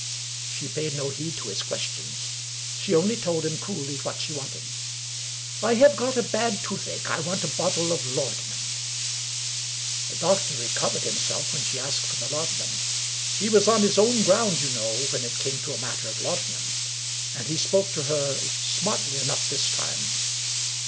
She paid no heed to his questions. She only told him coolly what she wanted. " I have got a bad toothache. I want a bottle of laudanum." The doctor recovered himself when she asked for the laudanum. He was on his own ground, you know, when it came to a matter of laudanum; and he spoke to her smartly enough this time.